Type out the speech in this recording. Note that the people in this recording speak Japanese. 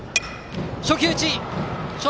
初球打ち。